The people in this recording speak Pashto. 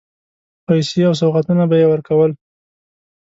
پیسې او سوغاتونه به یې ورکول.